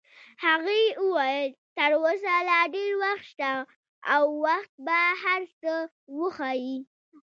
هغې وویل: تر اوسه لا ډېر وخت شته او وخت به هر څه وښایي.